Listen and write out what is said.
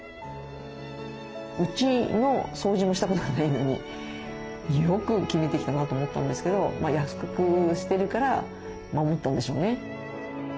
うちの掃除もしたことがないのによく決めてきたなと思ったんですけど約束してるから守ったんでしょうね。